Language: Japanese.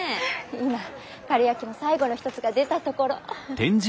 今かるやきも最後の一つが出たところ。